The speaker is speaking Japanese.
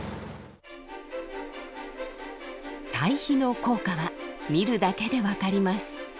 堆肥の効果は見るだけで分かります。